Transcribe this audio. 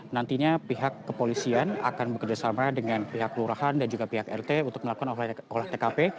nantinya pihak kepolisian akan bekerjasama dengan pihak lurahan dan juga pihak rt untuk melakukan olah tkp